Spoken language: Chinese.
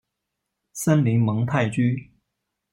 森林蒙泰居。